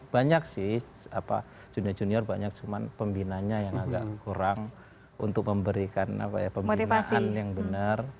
banyak sih junior junior banyak cuman pembinanya yang agak kurang untuk memberikan pembinaan yang benar